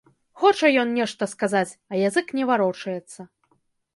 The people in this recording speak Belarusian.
Хоча ён нешта сказаць, а язык не варочаецца.